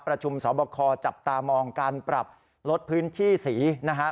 ประชุมสอบคอจับตามองการปรับลดพื้นที่สีนะฮะ